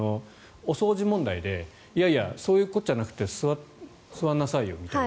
お掃除問題でいやいやそういうことじゃなくて座りなさいよみたいな。